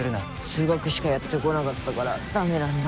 数学しかやってこなかったからダメなんだ